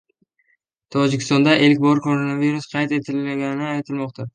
Tojikistonda ilk bor koronavirus qayd etilgani aytilmoqda